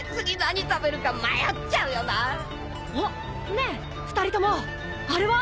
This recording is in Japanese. ねえ２人ともあれは？